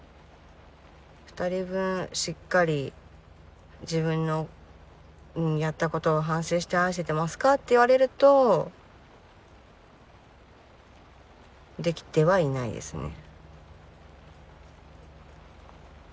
２人分しっかり自分のやったことを反省して愛せてますかって言われるとできてはいないですね。